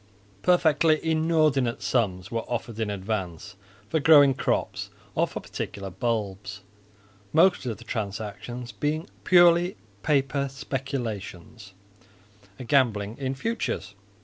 Perfectly inordinate sums were offered in advance for growing crops or for particular bulbs; most of the transactions being purely paper speculations, a gambling in futures.